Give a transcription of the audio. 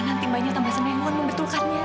nanti mbaknya tambah semengon membetulkannya